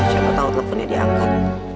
siapa tau teleponnya dianggap